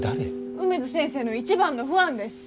梅津先生の一番のファンです。